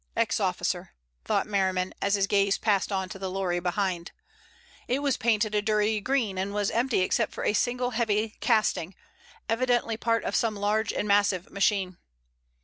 "Ex officer," thought Merriman as his gaze passed on to the lorry behind. It was painted a dirty green, and was empty except for a single heavy casting, evidently part of some large and massive machine.